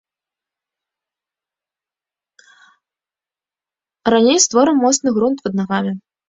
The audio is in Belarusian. Раней створым моцны грунт пад нагамі.